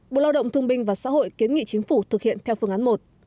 bộ lao động thương binh và xã hội kiến nghị chính phủ thực hiện theo phương án một